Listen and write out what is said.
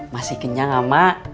masih kenyang ama